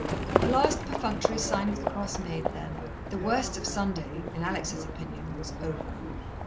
The last perfunctory sign of the cross made then, the worst of Sunday, in Alex's opinion, was over.